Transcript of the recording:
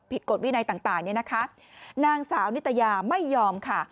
กฎวินัยต่างเนี่ยนะคะนางสาวนิตยาไม่ยอมค่ะ